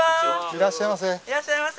いらっしゃいませ。